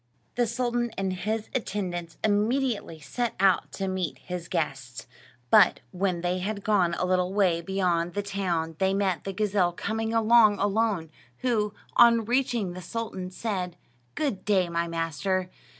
The sultan and his attendants immediately set out to meet his guests; but when they had gone a little way beyond the town they met the gazelle coming along alone, who, on reaching the sultan, said, "Good day, my master."